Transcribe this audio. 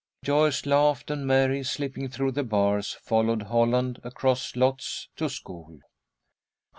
'" Joyce laughed, and Mary, slipping through the bars, followed Holland across lots to school.